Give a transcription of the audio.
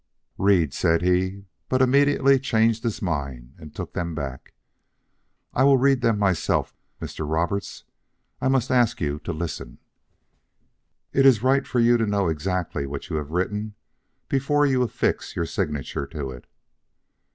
"Read," said he; but immediately changed his mind and took them back. "I will read them myself. Mr. Roberts, I must ask you to listen. It is right for you to know exactly what you have written before you affix your signature to it."